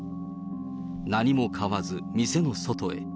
何も買わず、店の外へ。